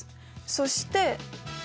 そして。